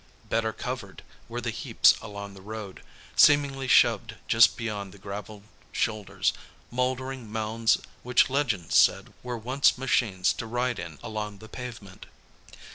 Better covered, were the heaps along the road, seemingly shoved just beyond the gravel shoulders mouldering mounds which legend said were once machines to ride in along the pavement.